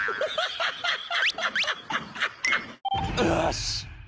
よし。